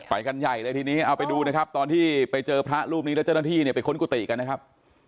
กันใหญ่เลยทีนี้เอาไปดูนะครับตอนที่ไปเจอพระรูปนี้แล้วเจ้าหน้าที่เนี่ยไปค้นกุฏิกันนะครับ